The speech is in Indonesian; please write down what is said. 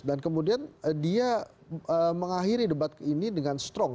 dan kemudian dia mengakhiri debat ini dengan strong